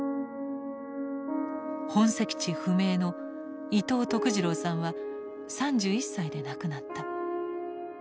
本籍地不明の伊東徳次郎さんは３１歳で亡くなった。